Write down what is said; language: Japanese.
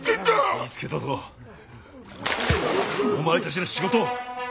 見つけたぞお前たちの仕事を！